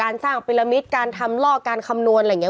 การสร้างพิระมิตการทำลอกการคำนวณอะไรอย่างเงี้ย